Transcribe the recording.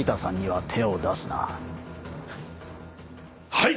・はい！